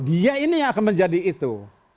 dia ini yang akan menjadi itu